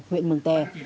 huyện mường tè